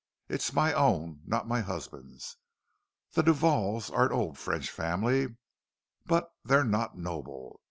It's my own—not my husband's; the Duvals are an old French family, but they're not noble.